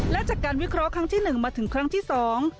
และจากการวิเคราะห์ครั้งที่หนึ่งมาถึงครั้งที่สอง